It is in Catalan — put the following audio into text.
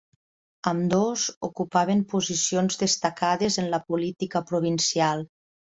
Ambdós ocupaven posicions destacades en la política provincial.